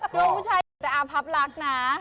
ดวงผู้ชายแต่อาพับลักษณะ